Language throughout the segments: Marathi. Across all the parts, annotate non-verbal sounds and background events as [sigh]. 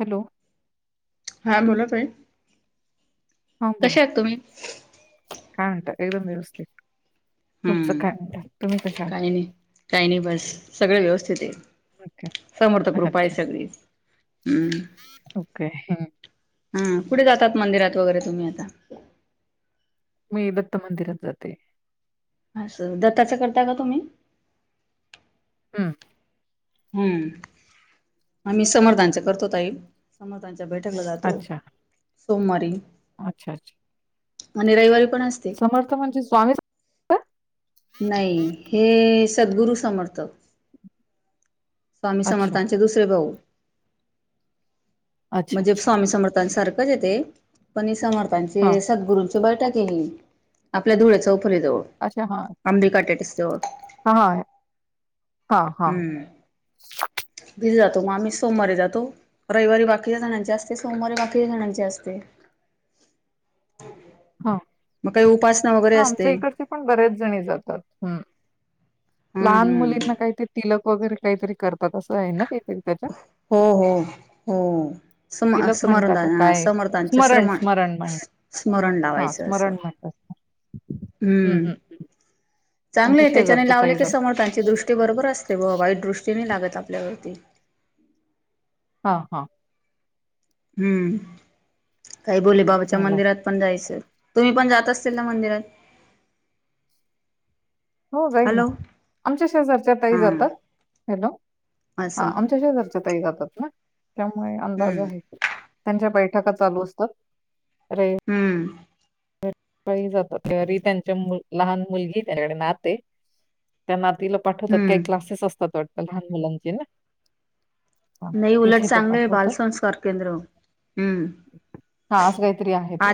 हॅलो! हा बोला ताई, हा बोला कशा आहेत तुम्ही? काय म्हणताय? एकदम व्यवस्थित, तुमचं हम्म काय म्हणताय? काही नाही, काही नाही बस सगळं व्यवस्थित आहे. ओके समर्थकृपा आहे अच्छा सगळीच, हम्म. ओके हम्म. हम्म, कुठे जातात मंदिरात वगैरे तुम्ही आता? मी दत्त मंदिरात जाते. असं दत्ताचं करता का तुम्ही हम्म हम्म आम्ही समर्थांच करतो ताईं समर्थांच त्या बैठकला जातो अच्छा सोमवारी अच्छा अच्छा आणि रविवारी पण असतय. समर्थ म्हणजे स्वामी नाही हे सदगुरु समर्थ स्वामी अच्छा समर्थांचे दुसरे भाऊ अच्छा म्हणजे अच्छा स्वामी समर्थांसारखंच आहे ते पण हा समर्थांचे सदगुरु बैठक केली आपल्या धुळ्या चौ खरी जवळ अच्छा हा आंबे काटाटीस जवळ हा हा हा हा मी मग आम्ही सोमवारी जातो रविवारी बाकीच्या जणांची असते सोमवारी बाकीच्या जणांची असते. [inaudible] ह मग काही उपासना वगैरे हा आमच्या असते इकडचे पण बरेच जणी जातात हम्म हम्म लहान हम्म मुलींना काहीतरी तिलक वगैरे काहीतरी करतात असं आहे ना ते पण त्याच्यात हो हो हो हो सम तिलक म्हणता का समर्धान काय समर्थांचे स्मरण श्रमण स्मरण म्हण स्मरण हा लावायचं असं स्मरण म्हणतात. हम्म चांगले आमच्या आहे त्याच्याने शेजारच्या लावले ताई की जातात समर्थांची दृष्टी बरोबर असते व वाईट दृष्टीने लागत आपल्यावरती हा हा हम्म काय बोलले बाबाच्या चांगलं आहे. मंदिरात पण जायचं. तुम्ही पण जात असतील ना मंदिरात हो जाईन ना हॅलो आमच्या शेजारच्या ताईं हा जातात हॅलो हा असं आमच्या शेजारच्या ताईं जातात ना त्यामुळे अंदाज हम्म आहे त्यांच्या पै ट्रका चालू असतात अरे हम्म त्या ही जातात घरी त्यांच्या मु लहान मुलगी त्याच्याकडे नात आहे त्या ना तिला पाठवतात काही हम्म क्लासेस असतात वाटत लहान मुलांचे ना हां, नाही उलट तिथे त्या चांगल पाठवतात. बालसंस्कार केंद्र हम्म हा अस काहीतरी आहे ते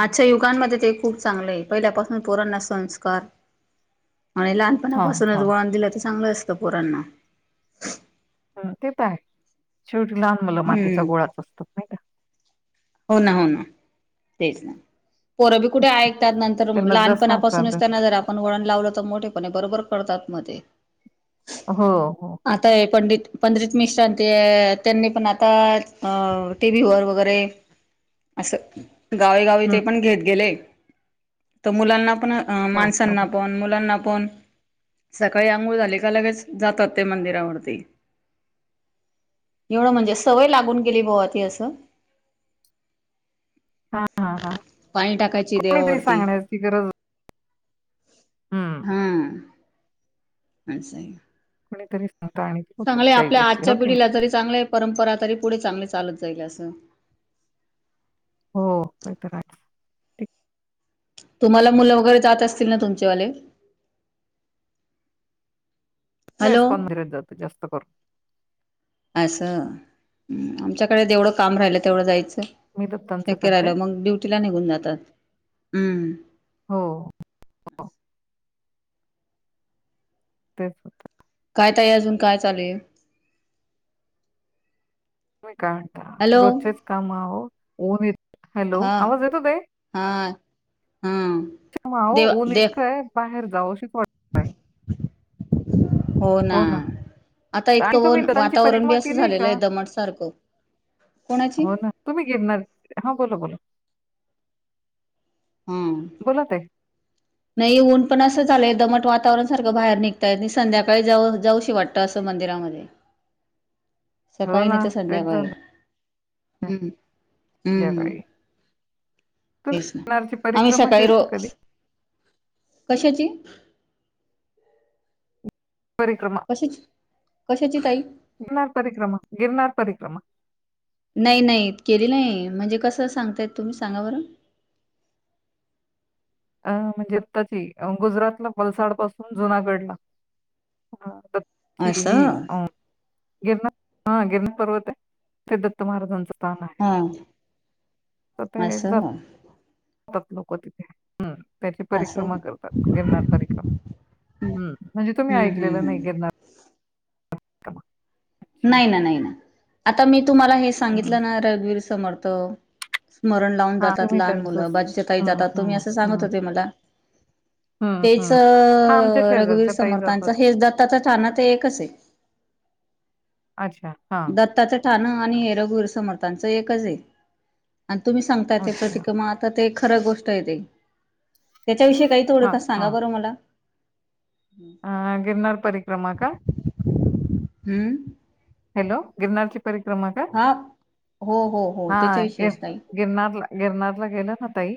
अजच्या युगांमध्ये ते खूप चांगलं आहे पहिल्यापासून पोरांना संस्कार आणि हां, लहानपणापासूनच हां. वळण दिलं तर चांगलं असतं पोरांना हम्म ते तर आहे शेवटी लहान मुलं मातीचा हम्म गोळाच असतात नाही का? हो हं, ना हो ना तेच ना पोरंबी तेच. कुठे ऐकतात नंतर त्यांना जसं आकार लहानपणापासून द्या त्यांना जर आपण वळण लावल तर मोठेपणे बरोबर करतात मध्ये हो हो पंधरीत मिशांती ती त्यांनी पण आता अं टीव्ही वर वगैरे असं गावे गावी हं, ते पण घेत गेले तर मुलांना पण हो, माणसांना बरोबर. पण मुलांना पण सकाळी आंघोळ झाली का लगेच जातात ते मंदिरावरती एवढं म्हणजे सवय लागून केली बुवा ती असं हा हा हा पाणी टाकायची कोणीतरी सांगण्याची गरज हं. हम्म [unintelligible] कोणीतरी सांगतं आणि ते होतात चांगल आहे काही आपल्या गोष्टी हो आजच्या की नाही? पिढीला जरी चांगले परंपरा तरी पुढे चांगली चालत जाईल असं हो कायतर आहे. तुम्हाला मुलं वगैरे जात असतील ना तुमचे वाले तेच कंधुरीत जात जास्त करून असं आमच्याकडे जेवढं काम राहिल तेवढं जायचं. मी दत्तांचं शक्य करते राहिलं मग ड्युटीला निघून जातात हम्म हो हो तेच होत काय ताईं अजून काय चालू आहे? तुम्ही काय म्हणता हॅलो रोजचेच काम अओ ऊन य हॅलो हा आवाज येतो ताईं हा हा म अओ देव ऊन देव इतकं आहे बाहेर जाव शिक वा [inaudible] हो ना आता आणि इतकं तुम्ही ऊन दत्तांची वातावरण बी परिक्रमा असं केली झालेलं का आहे दमट सारखं कोणाची हो ना तुम्ही गिरणार हा बोला बोला हम्म बोला ते नाही ऊन पण असं झालंय दमट वातावरण सारखं बाहेर निघता येत नाही संध्याकाळी जाऊ जाऊशी वाटतं असं मंदिरामध्ये हो सकाळी ना नाहीतर तेच संध्याकाळी झालं हम्म हम्म संध्याकाळी तुम्ही तेच ना गिरणारची आम्ही परिक्रमा सकाळी केली रो का कधी कशाची परिक्रमा कशाची कशाची ताई गिनार परीक्रमा गिरनार परीक्रमा नाही नाहीत केले नाही म्हणजे कसं सांगताय तुम्ही सांगा बरं [inaudible] अं म्हणजे आत्ताची अं गुजरातला पलसाड पासून जुनागडला [unintelligible] छी ई असं अं गिरणा हा गिरणा पर्वत आहे ते दत्त महाराजांच हा [unintelligible] असं [unintelligible] त्याची परिक्रमा असं करतात, नर्मदा परिक्रमा हम्म म्हणजे तुम्ही हम्म हम्म ऐकलेलं नाही हम्म गिरनार परिक्रमा अच्छा. नाही ना, नाही ना आता मी तुम्हाला हे हं. सांगितलं ना रघुवीर समर्थ मरण लावून हां. जातात तुम्ही लहान मुलं त्यांचंच बाजूच्या काही हं, जातात तुम्ही हं, असं सांगत हं, होते मला हं, तेच हं. हां, आमच्या रघुवीर शेजारच्या ताई समर्थांच जातात. हेच दत्ताचा स्थान ते एकच आहे. [inaudible] अच्छा हा स्थान आणि हेर गुर समर्थांच एकच आहे आणि तुम्ही सांगता ते अच्छा. प्रतिक्रमा आता ते खर गोष्ट आहे ते त्याच्याविषयी काही हां, थोडफार सांगा बरं मला. ह गिरणारार परीक्रमा का? हम्म. हॅलो गिरनारची परिक्रमा का? हा हो हो हो हा गि त्याच्याविषयीच ताई गिरनारला गिरणारला गेलं ना ताई,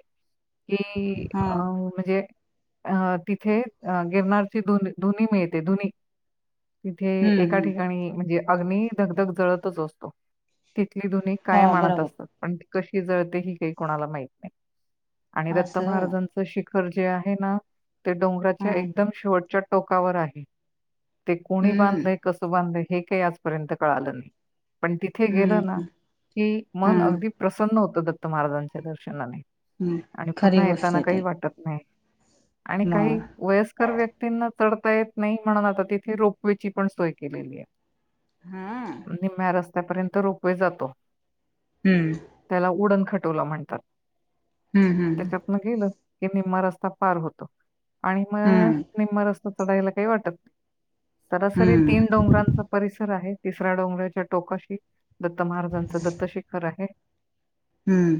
कि हा अ म्हणजे अं तिथे गीरणारची धुनी मिळते धुनी तिथे हम्म एका हम्म ठिकाणी म्हणजे अग्नी धगधग जळतच असतो. तिथली धुनी हा कायम आणत बरोबर असतात, पण ती कशी जळते ही काही कोणाला माहत नाही. आणि दत्त असं महाराजांच शिखर जे आहे ना ते डोंगराच्या हम्म एकदम शेवटच्या टोकावर आहे ते कोणी हम्म बांधलंय कस बांधलंय हे काही आजपर्यंत कळालं नाही. पण तिथे गेलं ना हम्म की हा मन अगदी प्रसन्न होतं दत्त महाराजांच्या दर्शनाने. हम्म आणि खरी पुन्हा गोष्ट येताना आहे काही ताई वाटत नाही. आणि काही मग वयस्कर व्यक्तींना तर येत नाही म्हणून आता तिथे रोपवेची पण सोय केलेली आहे. हा निम्म्या रस्त्यापर्यंत रोपवे जातो. हम्म त्याला उडण खटोला म्हणतात हम्म हम्म त्याच्यातन गेलं की निम्मा रस्ता पार होतो आणि मग हम्म निम्मा रस्ता चढायला काही वाटत नाही. सरासरी हम्म तीन डोंगरांचा परिसर आहे तिसऱ्या डोंगराच्या टोकाशी दत्त महाराजांचं दत्त शिखर आहे. हम्म.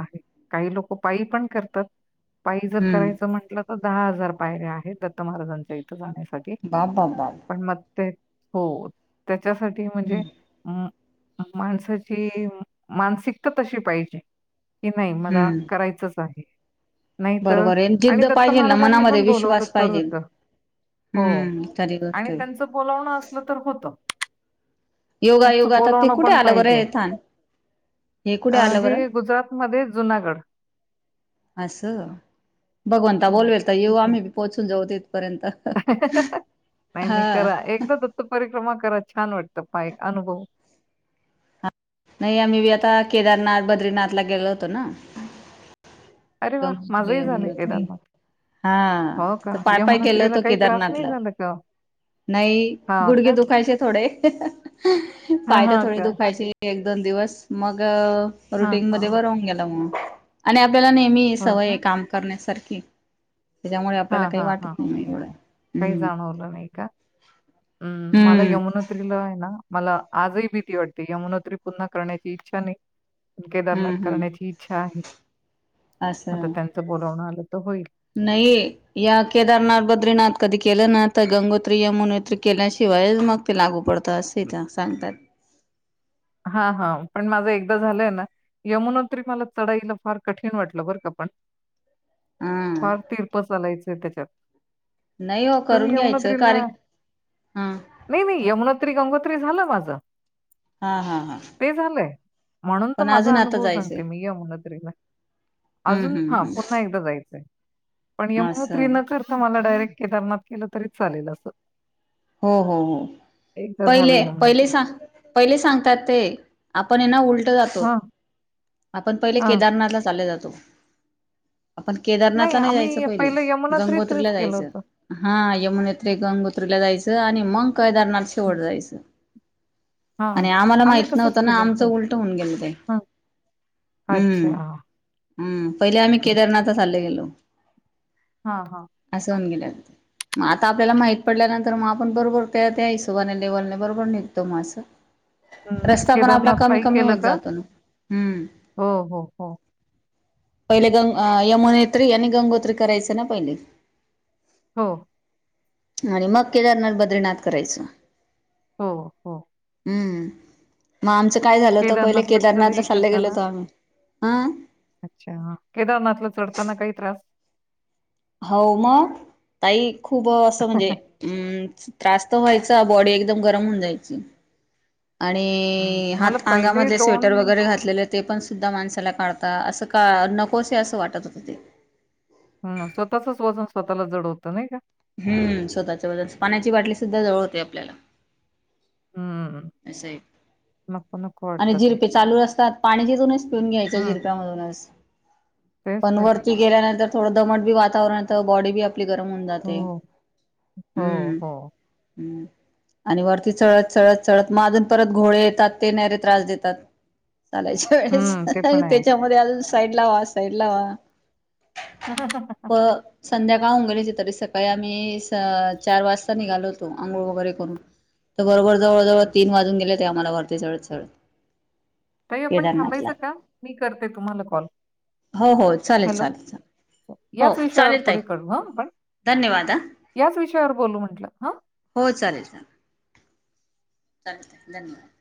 काहि लोक पायी पण करतात पायी जर करायच हम्म म्हटलं तर दहा हजार पायऱ्या आहेत, दत्त महाराजांच्या इथं जाण्यासाठी बाप बाप बाप पण मग हो त्याच्यासाठी म्हणजे माणसाची मानसिकता तशी पाहिजे. कि नाही मला हम्म करायचच आहे. नाहीतर बरोबर आहे आणि जिद्द दत्त पाहिजे ना महाराजांनी मनामध्ये पण बोलवलं विश्वास तर पाहिजे होतं. हो हम्म खरी गोष्ट आणि आहे त्यांचं बोलावणं असलं तर होतं. योगा त्यांचं योगा आता ते बोलवण कुठे पण आलं बरं पाहिजे हे थान हे अ कुठे आलं बरं हे गुजरातमध्ये जुनागड असं, भगवंता हो, बोलवेल तर येऊ तिथे. आम्ही पोहोचून जाऊ ते नाही नाही हा करा एकदा दत्त परिक्रमा कराच. छान वाटतं पायी एक अनुभव. नाही आम्ही बी आता केदारनाथ बद्रीनाथला गेलो होतो ना अरे वाह! गंगोत्री माझंही झालंय यमुनोत्री केदारनाथ. हा हो का? तीथ पायपाय गेलो यमुनोत्रीला होतो काही त्रास नाही केदारनाथला झाला का? नाही हां गुडगे का? दुखायचे थोडे. हां, पाय तर हां थोडी का? दुखायची एक दोन दिवस मग हां, रुटीन हां. मधे बर होऊन गेल मग, आणि आपल्याला नेहमी हो सवय ना? काम करण्यासारख त्याच्यामुळे आपल्याला हां, काही हां, हां. वाटत नाही एवढं हम्. हम्म मला यमुनोत्रीला आहे ना मला आजही भीती वाटते, यमुनोत्री पुन्हा करण्याची इच्छा नाही. उक दधर्नत हम्म हम्म करणेची इच्छा आहे आता असं त्यांचं बोलावणं आलं तर होईल नाही या केदारनाथ बद्रीनाथ कधी केलं ना तर गंगोत्री या मुनोत्री केल्याशिवाय मग ते लागू पड असे तर सांगतात हा हा पण माझं एकदा झालंय ना यमुनाोत्री मला चढाईला फार कठीण वाटलं बरं का पण हा फार तीरप लायचंय त्याच्यात नाही हो करून तुम्ही घ्यायचं यमुनात्रीला कार्य हा नाही नाही यमुनात्री गंगोत त्री झाल माझ हा हा हा ते झालंय म्हणून तर पण माझा अजून आता अनुभव सांगते जायचंय मी यामोनत्रीचा हम्म अजून हा हम्म पुन्हा एकदा जायचंय पण हम्म यमुनोत्री असं न चढति मला डायरेक्ट केदारनाथ केलं तरीच चालेल असं हो हो हो एकदा झालं पहिले पहिले यमुनोत्री. सां पहिले सांगतात ते आपण हे ना उलट जातो हां. आपण पहिले हां. केदारनाथ ला चाले जातो तो आपण केदारनाथला नाही जायचं आम्ही पहिले पहिलं यमुनात्रीतच गंगोत्रीला केलं जायचं होतं. हा यमुनेत्री गंगोत्रीला जायचं आणि मग केदारनाथ शेवट जायचं हा आणि आम्हाला आम्ही माहित तसच नव्हतं ना केलं आमचं होत उलट होऊन गेलं ते हा अच्छा हम् पहिले आम्ही हं. केदारनाथला चाले गेलो हां, हां. असं होऊन गेले हो मग आता आपल्याला माहित पडल्यानंतर तर मग आपण बरोबर त्या त्या हिशोबाने लेवलने बरोबर निघतो मग असं हं. रस्ता पण आपला केदारनाथ कमी पायी कमी केलं होत का? जातो ना हम् हो, हो, हो. पहिले गंग यमुनेत्री आणि गंगोत्री करायच ना पहिले हो आणि मग केदारनाथ बद्रीनाथ करायचं हो हो हम्म मग आमचं काय झालं होत पहिले केदारनाथला चढाई चाल्ले गेलो करताना होतो आम्ही हं अच्छा केदारनाथला चढताना काही त्रास हो मग ताई खूप असं म्हणजे अम् त्रास तर व्हायचा बॉडी एकदम गरम होऊन जायची आणि अं, मला हात पहिले अंगामधले स्वेटर वगैरे घातलेले ते पण सुद्धा माणसाला काढत असं का नकोसे असं वाटत होतं ते हम स्वतःचच वजन स्वतःला जड होतं नाही का हम्म स्वतःच्या पाण्याची बाटली सुद्धा जवळ होते आपल्याला हं. असंय नको, नको आणि वाटतं ते. झिरपे चालू असतात पाणी तिथूनच पिऊन घ्यायच्या हं, झिरप्यामधूनच तेच पण तर. वरती गेल्यानंतर थोडं दमट बी वातावरण येत बॉडी बी आपली गरम होऊन जाते हो, हो, हम्म हो. हम् आणि वरती चढत चढत चढत मग अजून परत घोडे येतात ते नाहीरे त्रास देतात चालायच्या वेळेस हं, ते पण आहे. त्याच्यामध्ये आजुन साईड ला व्हा साईड ला व्हा हा ह ह ह ह प संध्याकाळ होऊन गेली तरी सकाळी आम्ही चार वाजता निघालो होतो आंघोळ वगैरे करून तर बरोबर जवळ जवळ तीन वाजून गेले ते आम्हाला घरती चढत चढत काही आपण केदारनाथला थांबायचं का मी करते तुम्हाला कॉल हो हो चालेल हॅलो चालेल चालेल हो याच विषयावर चालेल ताई पुढे करू हा आपण धन्यवाद हा याच विषयावर बोलू म्हंटलं हा हो चालेल चालेल चाल धन्यवाद